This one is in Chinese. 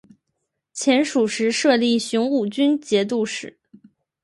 前蜀时设立雄武军节度使。